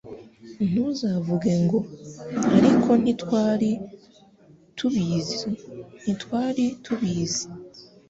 Ntuzavuge ngo «Ariko ntitwari tubizi ntitwari tubizi